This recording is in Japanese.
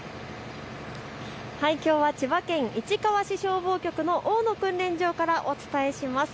きょうは千葉県市川市消防局の大野訓練場からお伝えします。